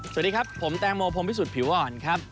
สวัสดีครับผมแตงโมพรมพิสุทธิผิวอ่อนครับ